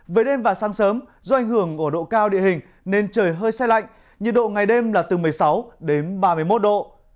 về đêm và sáng sớm do ảnh hưởng của độ cao địa hình nên trời hơi xe lạnh nhiệt độ ngày đêm là từ một mươi sáu đến ba mươi một độ